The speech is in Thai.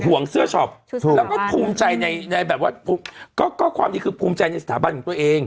ห่วงเสื้อช็อปแล้วก็ภูมิใจในแบบว่าก็ความดีคือภูมิใจในสถาบันของตัวเอง